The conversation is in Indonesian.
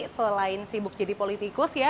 selain sibuk jadi politikus ya